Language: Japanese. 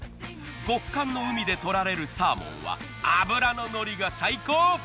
極寒の海で獲られるサーモンは脂ののりが最高！